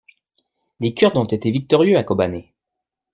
Les Kurdes ont été victorieux à Kobané.